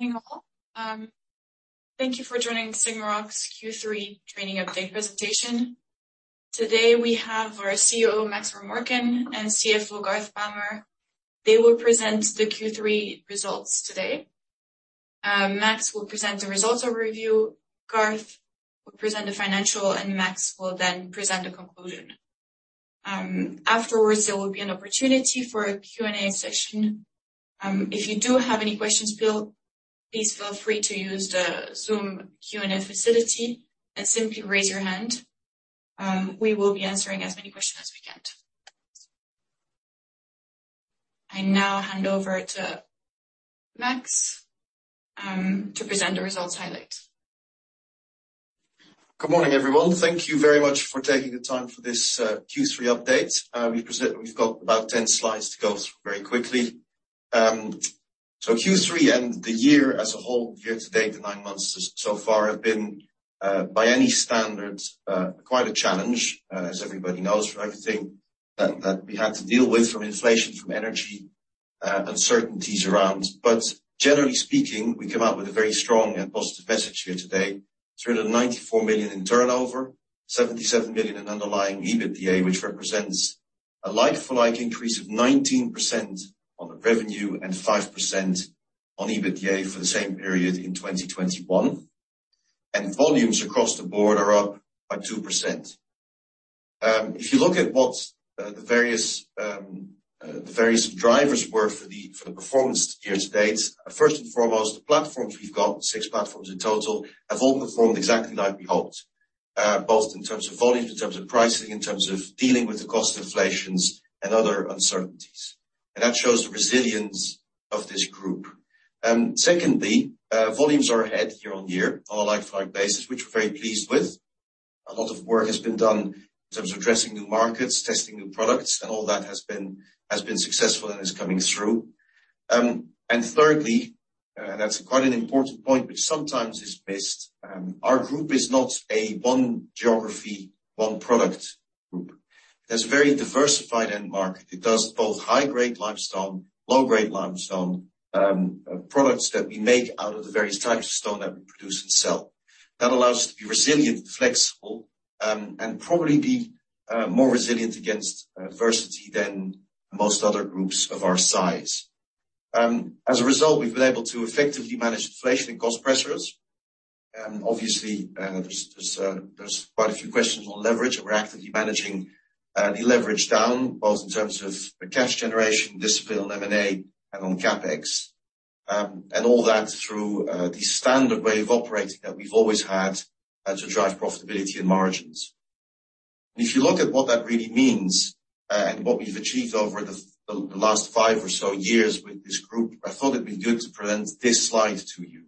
Morning, all. Thank you for joining SigmaRoc's Q3 trading update presentation. Today, we have our CEO, Max Vermorken, and CFO, Garth Palmer. They will present the Q3 results today. Max will present the results overview. Garth will present the financial, and Max will then present the conclusion. Afterwards, there will be an opportunity for a Q&A session. If you do have any questions, please feel free to use the Zoom Q&A facility and simply raise your hand. We will be answering as many questions as we can. I now hand over to Max to present the results highlights. Good morning, everyone. Thank you very much for taking the time for this Q3 update. We've got about 10 slides to go through very quickly. Q3 and the year as a whole, year-to-date, the nine months so far have been, by any standards, quite a challenge, as everybody knows from everything that we had to deal with from inflation, from energy, uncertainties around. Generally speaking, we come out with a very strong and positive message here today. 394 million in turnover, 77 million in underlying EBITDA, which represents a like-for-like increase of 19% on the revenue and 5% on EBITDA for the same period in 2021. Volumes across the board are up by 2%. If you look at what the various drivers were for the performance year-to-date, first and foremost, the platforms we've got, six platforms in total, have all performed exactly like we hoped, both in terms of volumes, in terms of pricing, in terms of dealing with the cost inflations and other uncertainties. That shows the resilience of this group. Secondly, volumes are ahead year-on-year on a like-for-like basis, which we're very pleased with. A lot of work has been done in terms of addressing new markets, testing new products, and all that has been successful and is coming through. Thirdly, that's quite an important point, which sometimes is missed, our group is not a one geography, one product group. It has a very diversified end market. It does both high-grade limestone, low-grade limestone, products that we make out of the various types of stone that we produce and sell. That allows us to be resilient and flexible, and probably be more resilient against adversity than most other groups of our size. As a result, we've been able to effectively manage inflation and cost pressures. Obviously, there's quite a few questions on leverage, and we're actively managing the leverage down, both in terms of cash generation, discipline on M&A and on CapEx. All that through the standard way of operating that we've always had to drive profitability and margins. If you look at what that really means, and what we've achieved over the last five or so years with this group, I thought it'd be good to present this slide to you.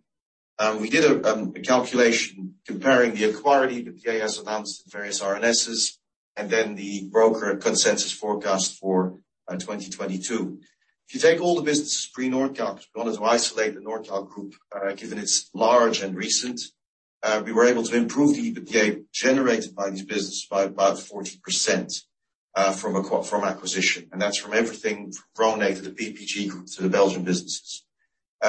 We did a calculation comparing the acquired EBITDA as announced in various RNSs and then the broker consensus forecast for 2022. If you take all the businesses pre-Nordkalk, because we wanted to isolate the Nordkalk group, given its large and recent, we were able to improve the EBITDA generated by this business by about 40%, from acquisition. That's from everything from Ronez to the PPG Group to the Belgian businesses,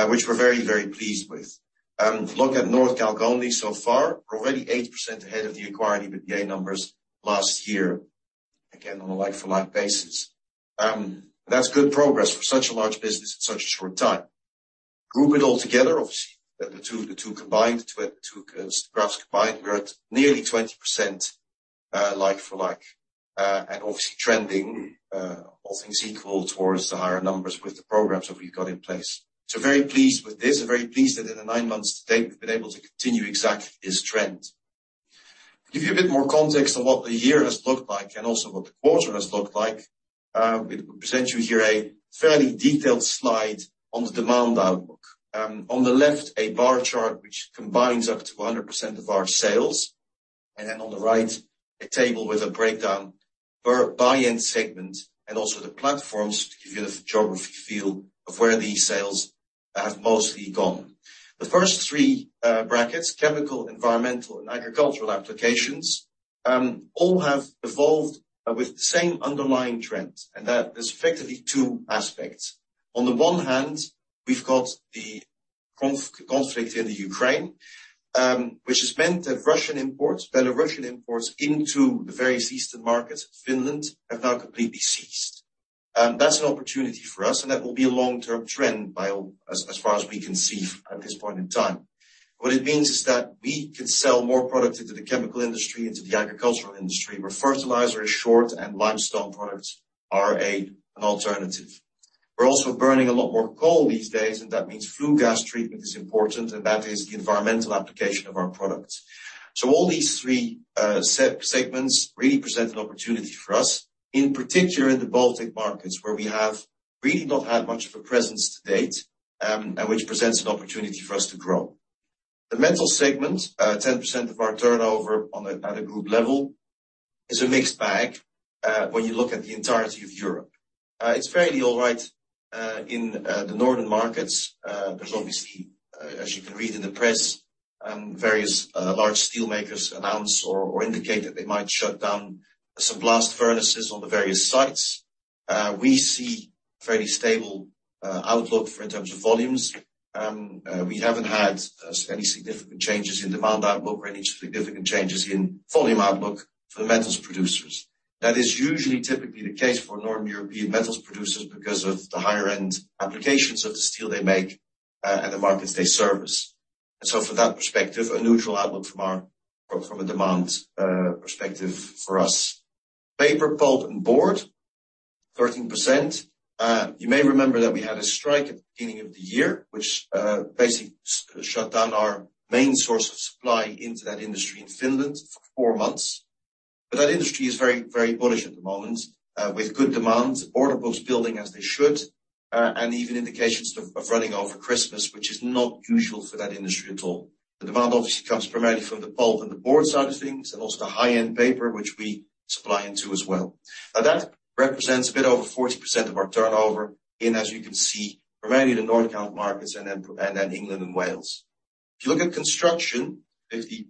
which we're very, very pleased with. If you look at Nordkalk only so far, we're already 80% ahead of the acquired EBITDA numbers last year, again, on a like-for-like basis. That's good progress for such a large business in such a short time. Group it all together, obviously, the two graphs combined, we're at nearly 20%, like for like, and obviously trending, all things equal towards the higher numbers with the programs that we've got in place. Very pleased with this and very pleased that in the nine months to date, we've been able to continue exactly this trend. To give you a bit more context on what the year has looked like and also what the quarter has looked like, we present you here a fairly detailed slide on the demand outlook. On the left, a bar chart which combines up to 100% of our sales, and then on the right, a table with a breakdown per end-user segment and also the countries to give you the geography feel of where these sales have mostly gone. The first three brackets, chemical, environmental, and agricultural applications, all have evolved with the same underlying trend, and that there's effectively two aspects. On the one hand, we've got the conflict in the Ukraine, which has meant that Russian imports, Belarusian imports into the various eastern markets, Finland, have now completely ceased. That's an opportunity for us, and that will be a long-term trend overall, as far as we can see at this point in time. What it means is that we can sell more product into the chemical industry, into the agricultural industry, where fertilizer is short and limestone products are an alternative. We're also burning a lot more coal these days, and that means flue gas treatment is important, and that is the environmental application of our products. All these three segments really present an opportunity for us, in particular in the Baltic markets, where we have really not had much of a presence to date, and which presents an opportunity for us to grow. The metal segment, 10% of our turnover at a group level, is a mixed bag, when you look at the entirety of Europe. It's fairly all right in the northern markets. There's obviously, as you can read in the press. Various large steel makers announce or indicate that they might shut down some blast furnaces on the various sites. We see fairly stable outlook for in terms of volumes. We haven't had any significant changes in demand outlook or any significant changes in volume outlook for the metals producers. That is usually typically the case for Northern European metals producers because of the higher-end applications of the steel they make, and the markets they service. From that perspective, a neutral outlook from a demand perspective for us. Paper, pulp, and board, 13%. You may remember that we had a strike at the beginning of the year, which basically shut down our main source of supply into that industry in Finland for four months. That industry is very, very bullish at the moment, with good demand, order books building as they should, and even indications of running over Christmas, which is not usual for that industry at all. The demand obviously comes primarily from the pulp and the board side of things, and also the high-end paper which we supply into as well. Now, that represents a bit over 40% of our turnover in, as you can see, primarily the Nordkalk markets and then England and Wales. If you look at construction, 57%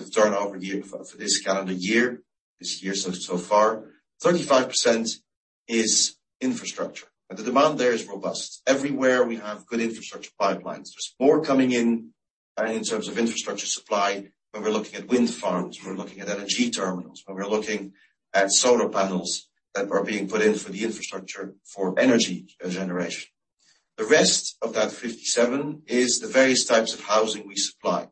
of turnover for this calendar year, this year so far, 35% is infrastructure. Now the demand there is robust. Everywhere we have good infrastructure pipelines. There's more coming in terms of infrastructure supply when we're looking at wind farms, when we're looking at LNG terminals, when we're looking at solar panels that are being put in for the infrastructure for energy generation. The rest of that 57 is the various types of housing we supply.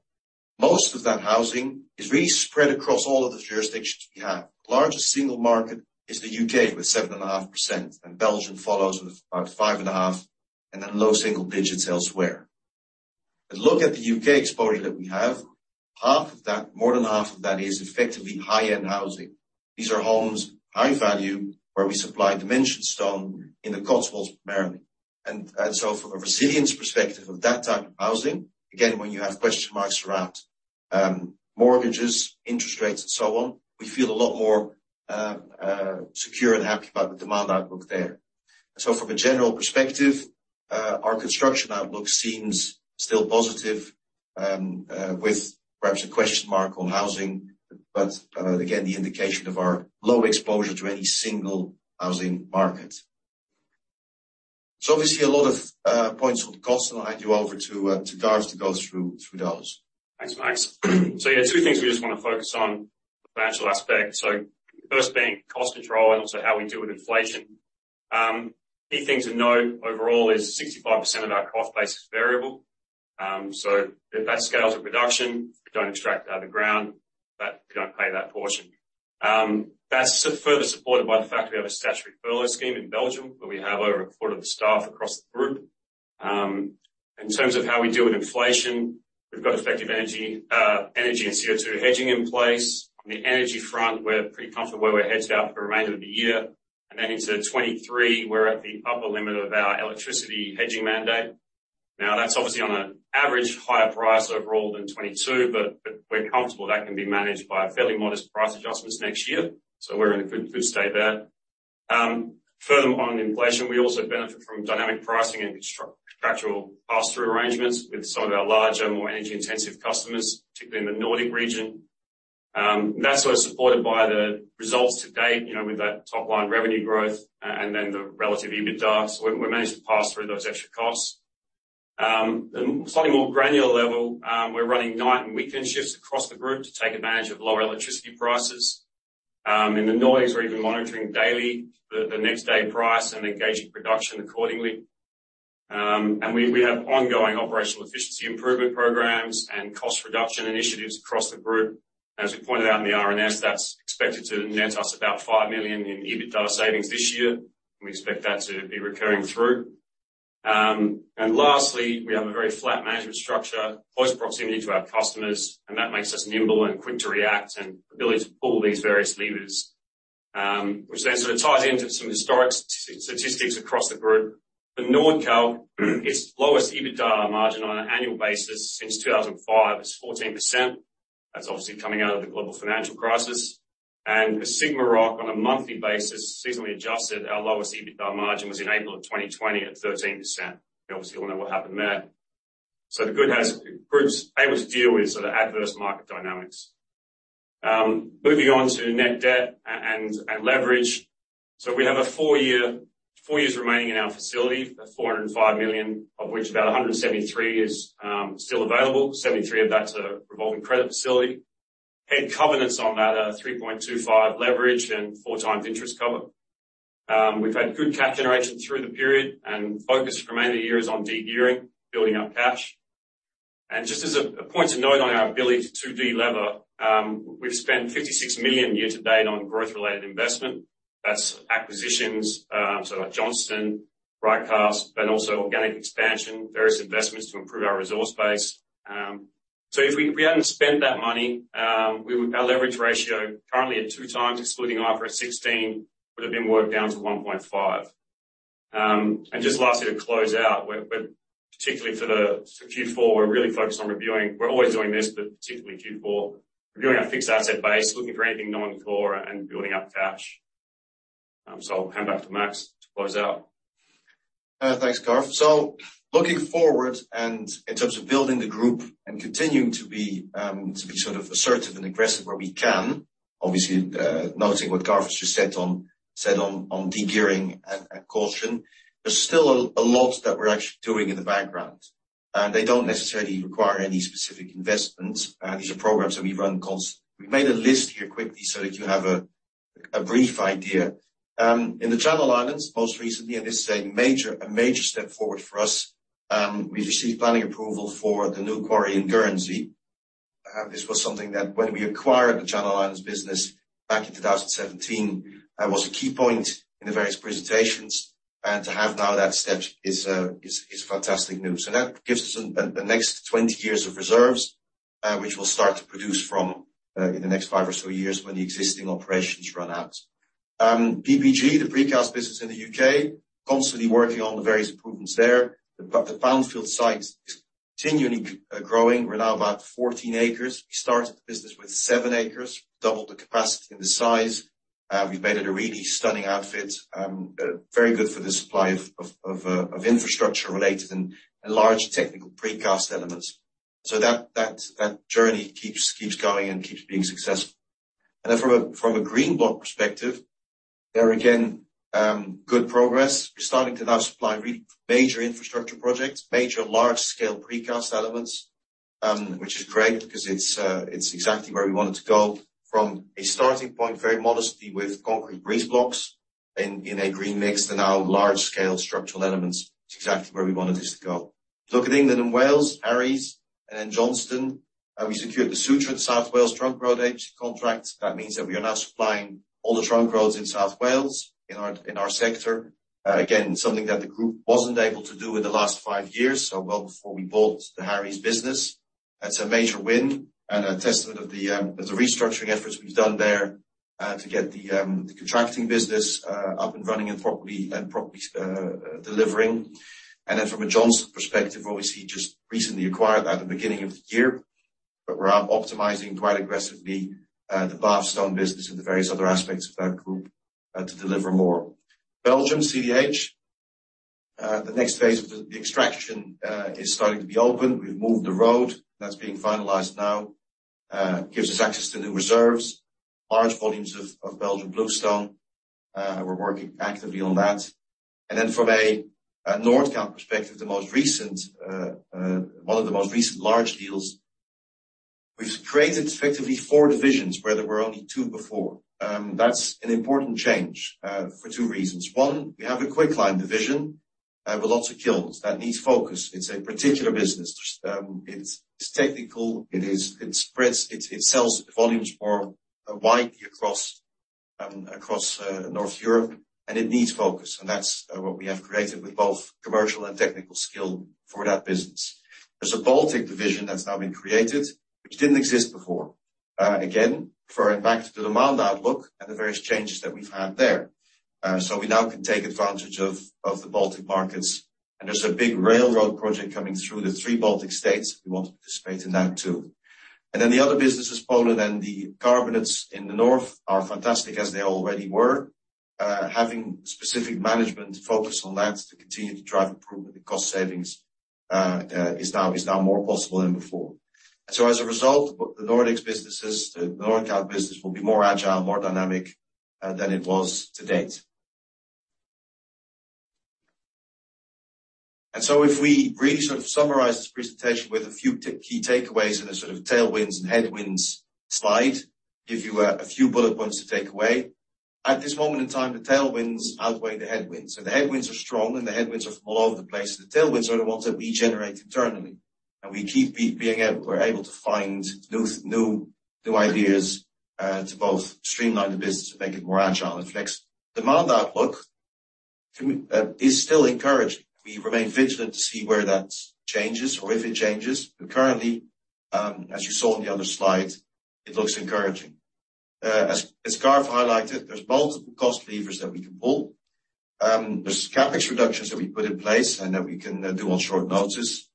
Most of that housing is really spread across all of the jurisdictions we have. Largest single market is the U.K. with 7.5%, and Belgium follows with about 5.5%, and then low single digits elsewhere. Look at the U.K. exposure that we have. Half of that, more than half of that is effectively high-end housing. These are homes, high value, where we supply dimension stone in the Cotswolds primarily. From a resilience perspective of that type of housing, again, when you have question marks around mortgages, interest rates, and so on, we feel a lot more secure and happy about the demand outlook there. From a general perspective, our construction outlook seems still positive, with perhaps a question mark on housing, but again, the indication of our low exposure to any single housing market. Obviously a lot of points on costs. I'll hand you over to Garth to go through those. Thanks, Max. Yeah, two things we just wanna focus on, the financial aspect. The first being cost control and also how we deal with inflation. Key thing to note overall is 65% of our cost base is variable. If that scales with production, if we don't extract it out of the ground, that we don't pay that portion. That's further supported by the fact we have a statutory furlough scheme in Belgium, where we have over a quarter of the staff across the group. In terms of how we deal with inflation, we've got effective energy and CO2 hedging in place. On the energy front, we're pretty comfortable where we're hedged out for the remainder of the year. Then into 2023, we're at the upper limit of our electricity hedging mandate. Now, that's obviously on average higher price overall than 2022, but we're comfortable that can be managed by fairly modest price adjustments next year. We're in a good state there. Further on inflation, we also benefit from dynamic pricing and contractual pass-through arrangements with some of our larger, more energy-intensive customers, particularly in the Nordic region. That's sort of supported by the results to date, you know, with that top line revenue growth and then the relative EBITDA. We managed to pass through those extra costs. At a slightly more granular level, we're running night and weekend shifts across the group to take advantage of lower electricity prices. In the Nordics, we're even monitoring daily the next day price and engaging production accordingly. We have ongoing operational efficiency improvement programs and cost reduction initiatives across the group. As we pointed out in the RNS, that's expected to net us about 5 million in EBITDA savings this year. We expect that to be recurring through. Lastly, we have a very flat management structure, close proximity to our customers, and that makes us nimble and quick to react and ability to pull these various levers. Which then sort of ties into some historic statistics across the group. For Nordkalk, its lowest EBITDA margin on an annual basis since 2005 is 14%. That's obviously coming out of the global financial crisis. For SigmaRoc, on a monthly basis, seasonally adjusted, our lowest EBITDA margin was in April of 2020 at 13%. You obviously all know what happened there. The group's able to deal with sort of adverse market dynamics. Moving on to net debt and leverage. We have four years remaining in our facility, 405 million, of which about 173 million is still available. 73 million of that's a revolving credit facility. The covenants on that are 3.25 leverage and 4x interest cover. We've had good cash generation through the period and focus for the remainder of the year is on de-gearing, building up cash. Just as a point to note on our ability to de-lever, we've spent 56 million year to date on growth-related investment. That's acquisitions, so like Johnston, RightCast, but also organic expansion, various investments to improve our resource base. If we hadn't spent that money, our leverage ratio currently at 2x excluding IFRS 16, would have been worked down to 1.5. Just lastly to close out, we're particularly for the Q4, we're really focused on reviewing. We're always doing this, but particularly Q4, reviewing our fixed asset base, looking for anything non-core and building up cash. I'll hand back to Max to close out. Thanks, Garth. Looking forward and in terms of building the group and continuing to be sort of assertive and aggressive where we can, obviously, noting what Garth just said on de-gearing and caution, there's still a lot that we're actually doing in the background. They don't necessarily require any specific investments. These are programs that we run constantly. We made a list here quickly so that you have a brief idea. In the Channel Islands, most recently, and this is a major step forward for us, we've received planning approval for the new quarry in Guernsey. This was something that when we acquired the Channel Islands business back in 2017 was a key point in the various presentations. To have now that step is fantastic news. That gives us the next 20 years of reserves, which we'll start to produce from, in the next five or so years when the existing operations run out. PPG, the precast business in the U.K., constantly working on the various improvements there. The Barnfield site is continually growing. We're now about 14 acres. We started the business with seven acres, doubled the capacity and the size. We've made it a really stunning outfit. Very good for the supply of infrastructure related and large technical precast elements. That journey keeps going and keeps being successful. Then from a Greenbloc perspective, there again, good progress. We're starting to now supply really major infrastructure projects, major large scale precast elements, which is great because it's exactly where we wanted to go from a starting point, very modestly with concrete breeze blocks in a green mix to now large scale structural elements. It's exactly where we wanted this to go. Look at England and Wales, Harries and then Johnston, we secured the Sutro South Wales Trunk Road Agent contract. That means that we are now supplying all the trunk roads in South Wales in our sector. Again, something that the group wasn't able to do in the last five years, so well before we bought the Harries business. That's a major win and a testament of the restructuring efforts we've done there to get the contracting business up and running and properly delivering. From a Johnston perspective, obviously just recently acquired at the beginning of the year, but we're optimizing quite aggressively the Bath Stone business and the various other aspects of that group to deliver more. Belgium CDH, the next phase of the extraction is starting to be open. We've moved the road. That's being finalized now. Gives us access to new reserves, large volumes of Belgian Bluestone. We're working actively on that. From a Nordkalk perspective, one of the most recent large deals, we've created effectively four divisions where there were only two before. That's an important change for two reasons. One, we have a Quicklime division with lots of kilns. That needs focus. It's a particular business. It's technical. It sells volumes more widely across North Europe, and it needs focus. That's what we have created with both commercial and technical skill for that business. There's a Baltic division that's now been created, which didn't exist before. Again, for in fact, the demand outlook and the various changes that we've had there. We now can take advantage of the Baltic markets. There's a big railroad project coming through the three Baltic States. We want to participate in that too. The other business is Poland, and the carbonates in the north are fantastic as they already were. Having specific management focus on that to continue to drive improvement and cost savings is now more possible than before. As a result, the Nordics businesses, the Nordkalk business will be more agile, more dynamic than it was to date. If we really sort of summarize this presentation with a few key takeaways and a sort of tailwinds and headwinds slide, give you a few bullet points to take away. At this moment in time, the tailwinds outweigh the headwinds. The headwinds are strong, and the headwinds are from all over the place. The tailwinds are the ones that we generate internally, and we're able to find new ideas to both streamline the business and make it more agile and flexible. Demand outlook is still encouraging. We remain vigilant to see where that changes or if it changes, but currently, as you saw on the other slide, it looks encouraging. As Garth highlighted, there's multiple cost levers that we can pull. There's CapEx reductions that we put in place and that we can do on short notice.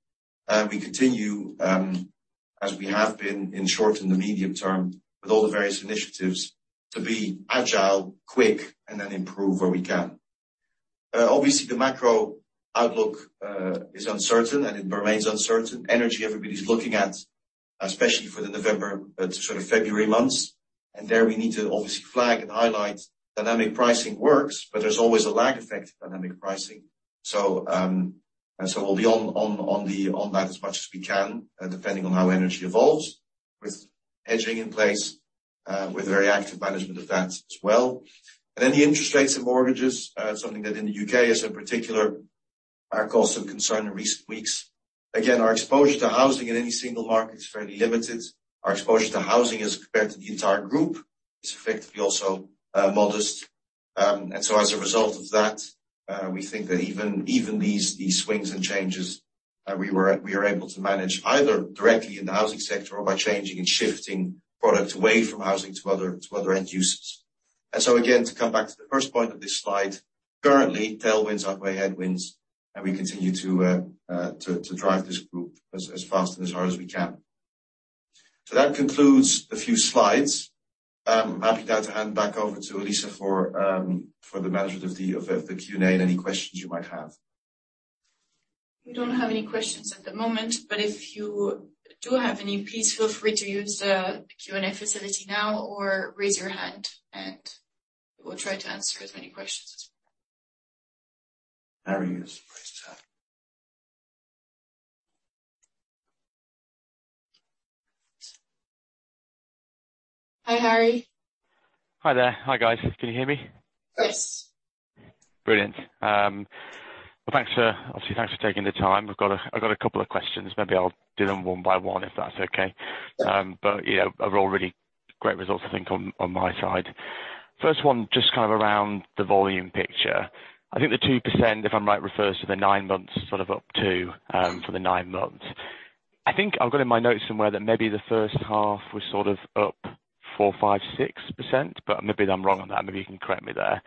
We continue as we have been in short in the medium term with all the various initiatives to be agile, quick, and then improve where we can. Obviously, the macro outlook is uncertain, and it remains uncertain. Energy, everybody's looking at, especially for the November to sort of February months. There we need to obviously flag and highlight dynamic pricing works, but there's always a lag effect to dynamic pricing. We'll be on that as much as we can, depending on how energy evolves with hedging in place, with very active management of that as well. Then the interest rates and mortgages, something that in the U.K., in particular, is causing some concern in recent weeks. Again, our exposure to housing in any single market is fairly limited. Our exposure to housing as compared to the entire group is effectively also modest. As a result of that, we think that even these swings and changes, we are able to manage either directly in the housing sector or by changing and shifting product away from housing to other end users. Again, to come back to the first point of this slide, currently, tailwinds outweigh headwinds, and we continue to drive this group as fast and as hard as we can. That concludes a few slides. Happy now to hand back over to Lisa for the management of the Q&A and any questions you might have. We don't have any questions at the moment, but if you do have any, please feel free to use the Q&A facility now or raise your hand and we'll try to answer as many questions as we can. Harry is pressed up. Hi, Harry. Hi there. Hi, guys. Can you hear me? Yes. Brilliant. Well, obviously, thanks for taking the time. I've got a couple of questions. Maybe I'll do them one by one, if that's okay. Sure. Yeah, they are all really great results, I think, on my side. First one, just kind of around the volume picture. I think the 2%, if I'm right, refers to the nine months, sort of up to for the nine months. I think I've got in my notes somewhere that maybe the first half was sort of up 4%, 5%, 6%, but maybe I'm wrong on that. Maybe you can correct me there.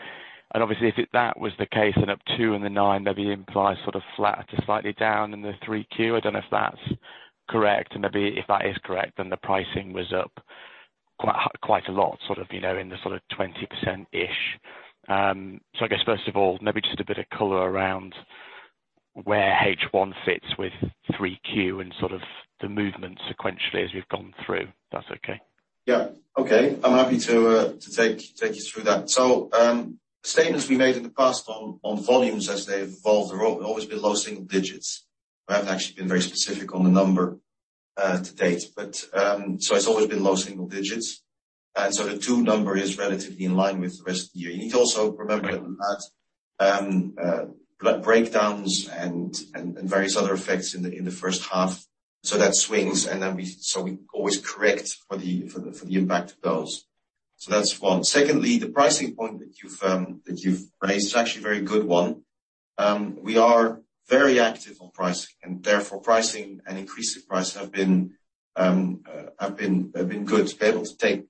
Obviously, if that was the case, then up 2% in the nine months maybe implies sort of flat to slightly down in the 3Q. I don't know if that's correct. Maybe if that is correct, then the pricing was up quite a lot, sort of, you know, in the sort of 20%-ish. I guess first of all, maybe just a bit of color around where H1 fits with 3Q and sort of the movement sequentially as we've gone through, if that's okay. Yeah. Okay. I'm happy to take you through that. Statements we made in the past on volumes as they've evolved have always been low single digits. We haven't actually been very specific on the number to date. It's always been low single digits. The two number is relatively in line with the rest of the year. You need to also remember that we had breakdowns and various other effects in the first half. That swings, and then we always correct for the impact of those. That's one. Secondly, the pricing point that you've raised is actually a very good one. We are very active on pricing, and therefore pricing and increasing price have been good to be able to take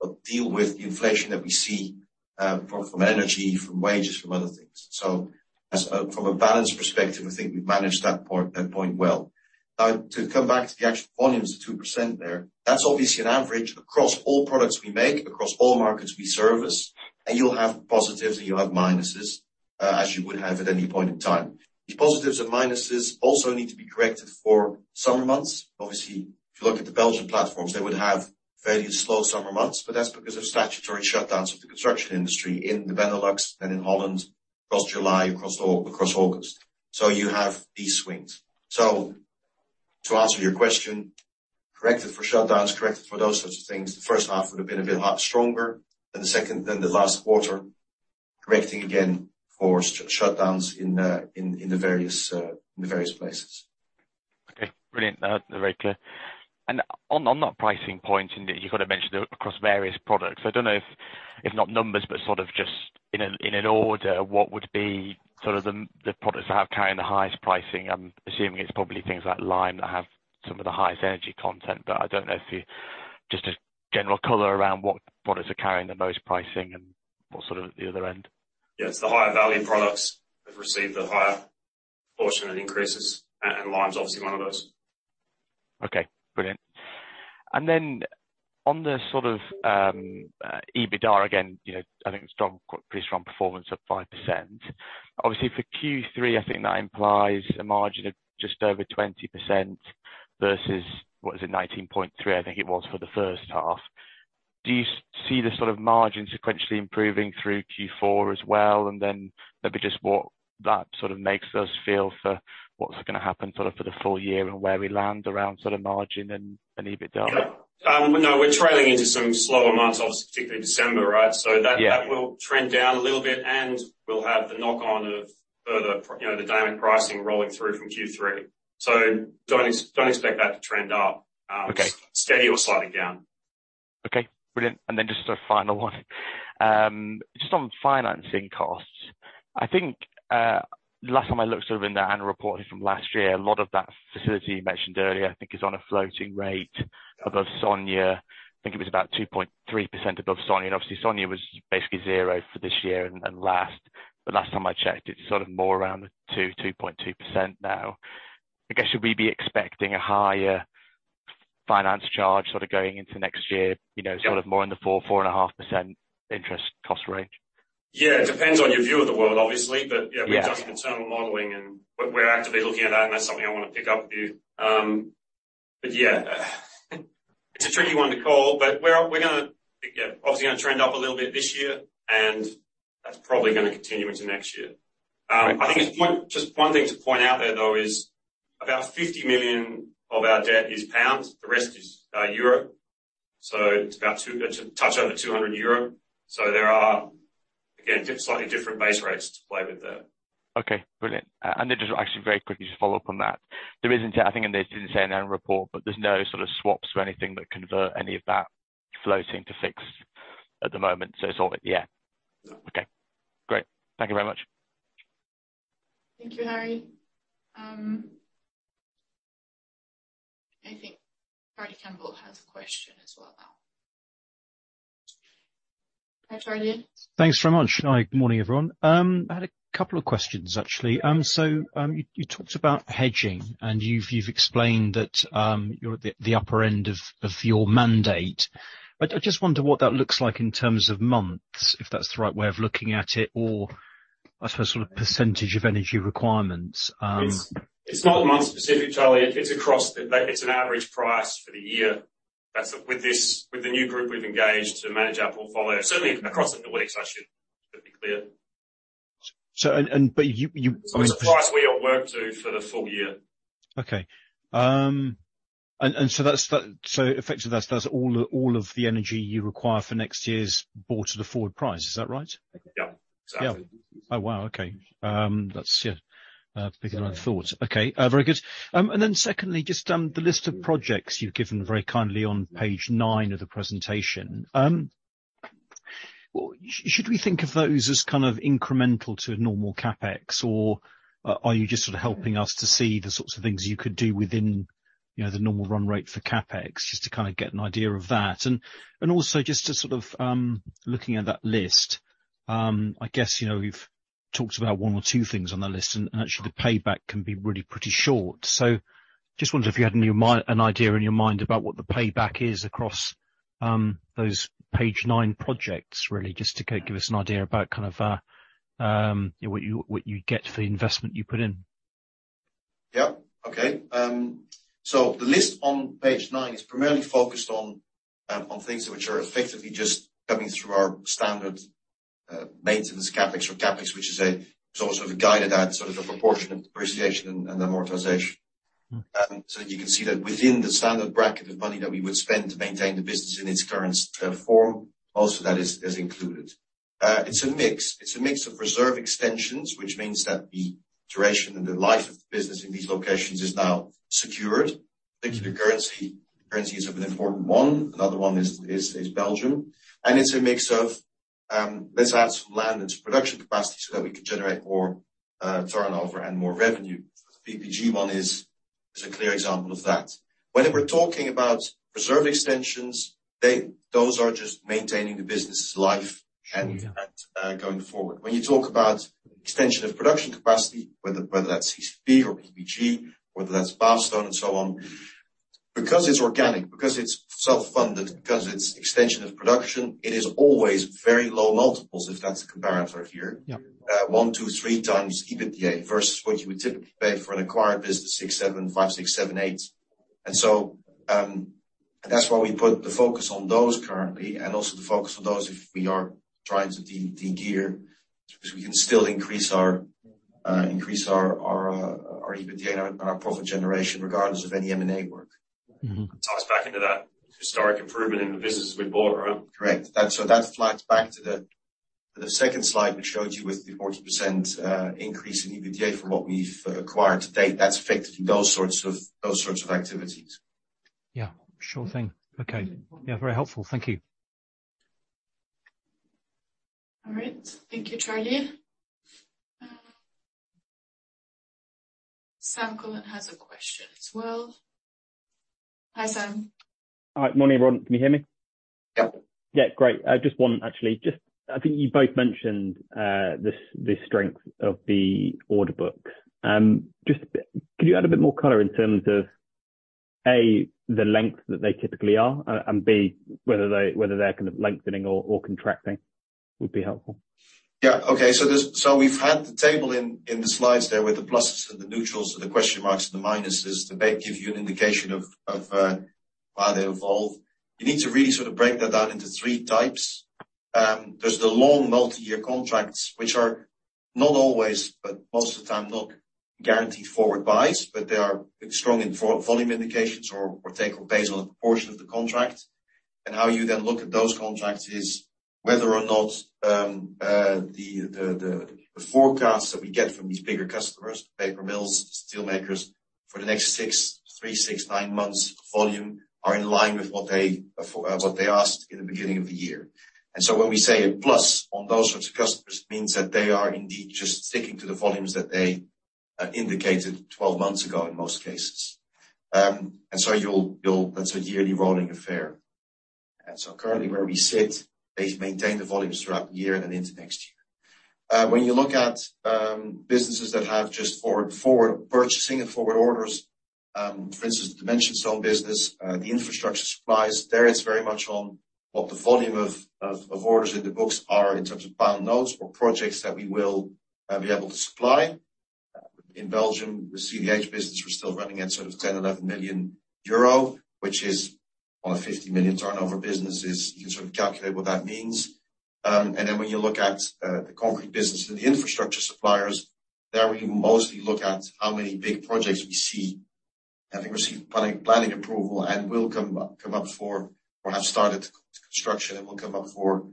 or deal with the inflation that we see from energy, from wages, from other things. From a balance perspective, I think we've managed that point well. Now to come back to the actual volumes of 2% there, that's obviously an average across all products we make, across all markets we service. You'll have positives and you'll have minuses as you would have at any point in time. These positives and minuses also need to be corrected for summer months. Obviously, if you look at the Belgian platforms, they would have fairly slow summer months, but that's because of statutory shutdowns of the construction industry in the Benelux and in Holland across July, across August. You have these swings. To answer your question, corrected for shutdowns, corrected for those sorts of things, the first half would have been a bit lot stronger than the second, than the last quarter, correcting again for shutdowns in the various places. Okay. Brilliant. No, they're very clear. On that pricing point, and you kind of mentioned it across various products, I don't know if not numbers, but sort of just in an order, what would be sort of the products that have carrying the highest pricing? I'm assuming it's probably things like lime that have some of the highest energy content, but I don't know. Just a general color around what products are carrying the most pricing and what's sort of at the other end. Yeah. It's the higher value products have received the higher portion of increases, and lime's obviously one of those. Okay. Brilliant. On the sort of EBITDA again, you know, I think strong, pretty strong performance at 5%. Obviously for Q3, I think that implies a margin of just over 20% versus, what was it, 19.3, I think it was for the first half. Do you see the sort of margin sequentially improving through Q4 as well? Maybe just what that sort of makes us feel for what's gonna happen sort of for the full year and where we land around sort of margin and EBITDA. Yeah. No, we're trailing into some slower months obviously, particularly December, right? Yeah. That will trend down a little bit, and we'll have the knock-on of further, you know, the dynamic pricing rolling through from Q3. Don't expect that to trend up. Okay. Steady or slightly down. Okay. Brilliant. Just a final one. Just on financing costs. I think last time I looked sort of in the annual report from last year, a lot of that facility you mentioned earlier, I think is on a floating rate above SONIA. I think it was about 2.3% above SONIA. Obviously SONIA was basically zero for this year and last. Last time I checked, it's sort of more around the 2.2% now. I guess should we be expecting a higher finance charge sort of going into next year? Yeah. You know, sort of more in the 4%-4.5% interest cost range. Yeah. It depends on your view of the world, obviously. Yeah. Yeah, we've done some internal modeling and we're actively looking at that, and that's something I wanna pick up with you. Yeah, it's a tricky one to call, but we're gonna, yeah, obviously gonna trend up a little bit this year, and that's probably gonna continue into next year. I think just one thing to point out there, though, is about 50 million of our debt is pounds, the rest is euro. It's a touch over 200 euro. There are, again, slightly different base rates to play with there. Okay. Brilliant. Then just actually very quickly, just follow up on that. There isn't, I think, and this didn't say in that report, but there's no sort of swaps or anything that convert any of that floating to fixed at the moment. So it's all. No. Okay. Great. Thank you very much. Thank you, Harry. I think Charlie Campbell has a question as well now. Hi, Charlie. Thanks very much. Hi, good morning, everyone. I had a couple of questions, actually. You talked about hedging, and you've explained that you're at the upper end of your mandate. I just wonder what that looks like in terms of months, if that's the right way of looking at it, or I suppose sort of percentage of energy requirements. It's not month specific, Charlie. It's an average price for the year. That's with the new group we've engaged to manage our portfolio. Certainly across the mix, I should be clear. It's the price we all work to for the full year. Okay. Effectively, that's all of the energy you require for next year's bought at a forward price. Is that right? Yep. Exactly. Yeah. Oh, wow. Okay. That's, yeah, bigger than I thought. Okay. Very good. Secondly, just the list of projects you've given very kindly on page nine of the presentation. Well, should we think of those as kind of incremental to normal CapEx, or are you just sort of helping us to see the sorts of things you could do within, you know, the normal run rate for CapEx, just to kinda get an idea of that? Also just to sort of looking at that list, I guess, you know, you've talked about one or two things on the list, and actually the payback can be really pretty short. Just wondered if you had any idea in your mind about what the payback is across those page nine projects, really, just to give us an idea about kind of what you get for the investment you put in. Yep. Okay. The list on page nine is primarily focused on things which are effectively just coming through our standard maintenance CapEx or CapEx, which is a sort of a guided as, sort of a proportion of depreciation and amortization. You can see that within the standard bracket of money that we would spend to maintain the business in its current form, most of that is included. It's a mix. It's a mix of reserve extensions, which means that the duration and the life of the business in these locations is now secured. Thank you to currency. Currency is an important one. Another one is Belgium. It's a mix of, let's add some land into production capacity so that we can generate more turnover and more revenue. PPG one is a clear example of that. When we're talking about reserve extensions, those are just maintaining the business' life and going forward. When you talk about extension of production capacity, whether that's CCP or PPG, whether that's Bath Stone and so on, because it's organic, because it's self-funded, because it's extension of production, it is always very low multiples if that's the comparator here. Yeah. 1x-3x EBITDA versus what you would typically pay for an acquired business, six, seven, five, six, seven, eights. That's why we put the focus on those currently and also the focus on those if we are trying to de-gear, because we can still increase our EBITDA and our profit generation regardless of any M&A work. Ties back into that historic improvement in the businesses we bought, right? Correct. That flags back to the second slide we showed you with the 40% increase in EBITDA from what we've acquired to date. That's effectively those sorts of activities. Yeah. Sure thing. Okay. Yeah, very helpful. Thank you. All right. Thank you, Charlie. Sam Cullen has a question as well. Hi, Sam. Hi. Morning, everyone. Can you hear me? Yep. Yeah, great. Just one, actually. Just, I think you both mentioned the strength of the order book. Could you add a bit more color in terms of A, the length that they typically are, and B, whether they're kind of lengthening or contracting? That would be helpful. We've had the table in the slides there with the pluses and the neutrals and the question marks and the minuses to maybe give you an indication of how they evolve. You need to really sort of break that down into three types. There's the long multi-year contracts, which are not always, but most of the time not guaranteed forward buys, but they are strong in volume indications or take-or-pay based on a portion of the contract. How you then look at those contracts is whether or not the forecasts that we get from these bigger customers, paper mills, steel makers, for the next three, six, nine months volume are in line with what they asked in the beginning of the year. When we say a plus on those sorts of customers means that they are indeed just sticking to the volumes that they indicated 12 months ago in most cases. You'll. That's a yearly rolling affair. Currently where we sit, they've maintained the volumes throughout the year and into next year. When you look at businesses that have just forward purchasing and forward orders, for instance, the dimension stone business, the infrastructure supplies, there it's very much on what the volume of orders in the books are in terms of pound notes or projects that we will be able to supply. In Belgium, the CDH business, we're still running at sort of 10 million-11 million euro, which is on a 50 million turnover businesses, you can sort of calculate what that means. Then when you look at the concrete business and the infrastructure suppliers, there we mostly look at how many big projects we see having received planning approval and will come up for or have started construction and will come up for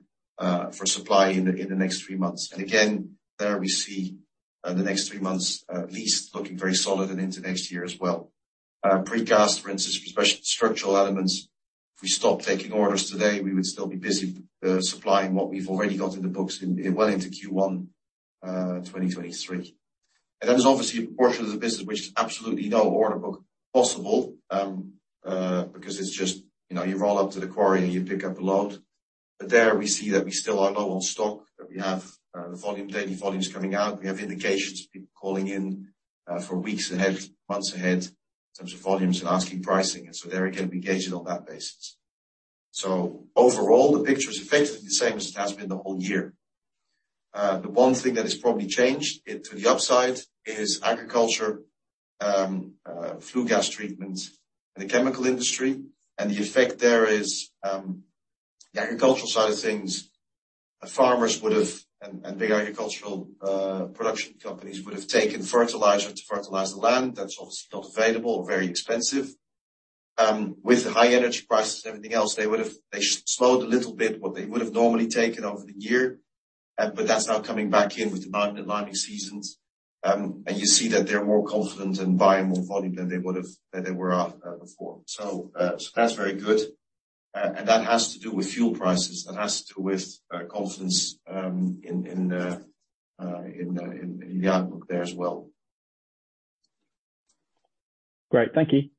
supply in the next three months. Again, there we see the next three months at least looking very solid and into next year as well. Precast, for instance, structural elements, if we stop taking orders today, we would still be busy supplying what we've already got in the books well into Q1 2023. There is obviously a portion of the business which is absolutely no order book possible because it's just, you know, you roll up to the quarry and you pick up a load. There we see that we still are low on stock, that we have the volume, daily volumes coming out. We have indications of people calling in for weeks ahead, months ahead in terms of volumes and asking pricing. There again, we gauge it on that basis. Overall, the picture is effectively the same as it has been the whole year. The one thing that has probably changed it to the upside is agriculture, flue gas treatment in the chemical industry. The effect there is the agricultural side of things, farmers would have and big agricultural production companies would have taken fertilizer to fertilize the land. That's obviously not available or very expensive. With the high energy prices and everything else, they slowed a little bit what they would have normally taken over the year. That's now coming back in with the mounting seasons. You see that they're more confident and buying more volume than they were before. That's very good. That has to do with fuel prices. That has to do with confidence in the outlook there as well. Great. Thank you.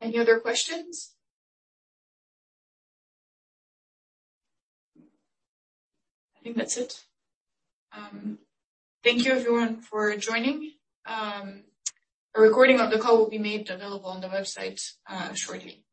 Any other questions? I think that's it. Thank you everyone for joining. A recording of the call will be made available on the website, shortly.